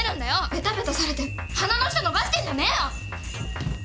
べたべたされて鼻の下延ばしてんじゃねえよ！